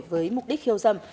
với mục đích khiêu dâm